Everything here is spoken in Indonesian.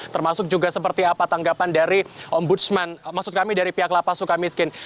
termasuk juga seperti apa tanggapan dari ombudsman maksud kami dari pihak lapas suka miskin